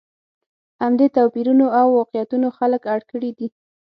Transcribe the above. همدې توپیرونو او واقعیتونو خلک اړ کړي دي.